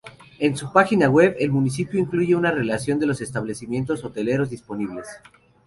En su página web, el municipio incluye una relación de los establecimientos hoteleros disponibles.